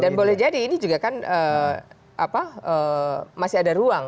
dan boleh jadi ini juga kan masih ada ruang